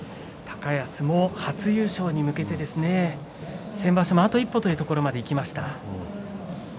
高安の初優勝に向けて先場所はあと一歩までいきました。